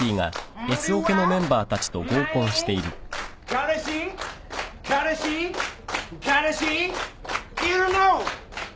彼氏彼氏彼氏いるの？」